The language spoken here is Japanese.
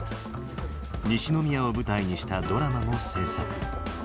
西宮を舞台にしたドラマも制作。